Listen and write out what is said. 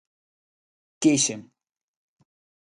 Quixen.